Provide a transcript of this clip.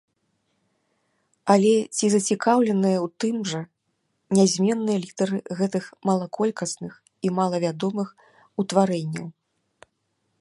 Але ці зацікаўленыя ў тым жа нязменныя лідары гэтых малаколькасных і малавядомых утварэнняў?